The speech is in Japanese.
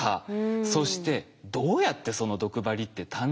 そしてどうやってその毒針って誕生したのか。